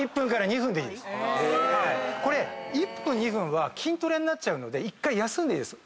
これ１分２分は筋トレになっちゃうので１回休んでいいです。